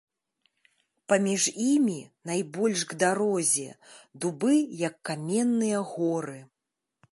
Паміж імі, найбольш к дарозе, дубы як каменныя горы.